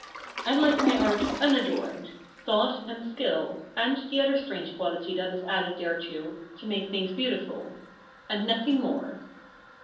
I like my art unadorned: thought and skill, and the other strange quality that is added thereto, to make things beautiful and nothing more.